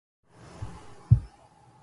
كل أخبار الهوى قد رويت